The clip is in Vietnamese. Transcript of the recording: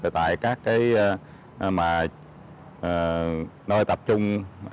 tại các nơi tập trung